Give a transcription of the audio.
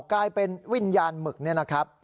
กลายเป็นวิญญาณมึก